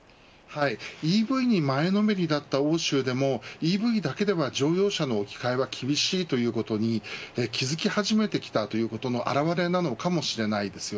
ＥＶに前のめりだった欧州でもＥＶだけでは乗用車の置き換えは厳しいということに気付き始めてきたということの表れなのかもしれないです。